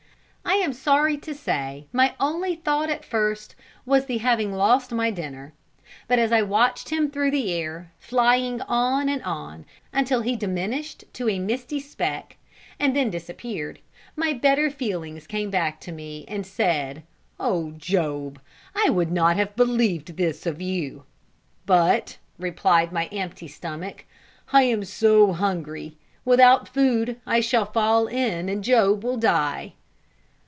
I am sorry to say my only thought at first was the having lost my dinner: but as I watched him through the air, flying on and on, until he diminished to a misty speck, and then disappeared, my better feelings came back to me and said, "Oh, Job! I would not have believed this of you!" "But," replied my empty stomach, "I am so hungry; without food, I shall fall in, and Job will die."